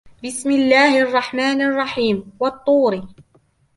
بسم الله الرحمن الرحيم والطور